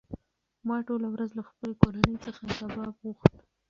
ما ټوله ورځ له خپلې کورنۍ څخه کباب غوښت.